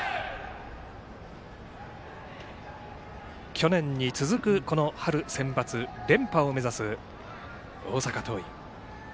去年に続くこの春センバツ連覇を目指す大阪桐蔭。